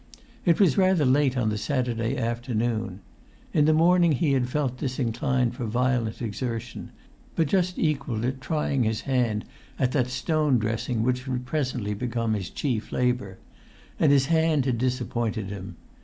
It was rather late on the Saturday afternoon. In the morning he had felt disinclined for violent exertion, but just equal to trying his hand at that stone dressing which would presently become his chief[Pg 138] labour; and his hand had disappointed him.